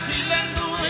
thì lên núi